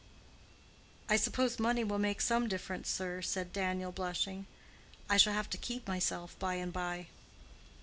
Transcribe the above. "I suppose money will make some difference, sir," said Daniel blushing. "I shall have to keep myself by and by."